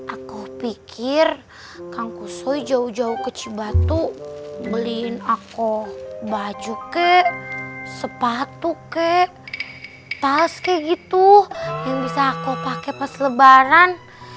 aku pikir kang kusoy jauh jauh ke cibatu beliin aku baju kek sepatu kek tas kek gitu yang bisa aku pake pas lebaran